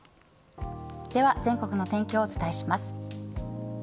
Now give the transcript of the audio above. では全国の天気をお伝えします。